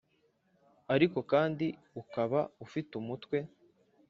ariko kandi ukaba ufite umutwe.